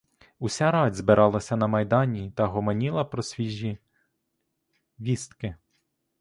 Уся рать збиралася на майдані та гомоніла про свіжі вістки.